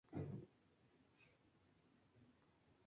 En la cocina resulta sumamente versátil.